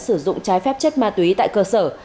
sử dụng trái phép chất ma túy tại cơ sở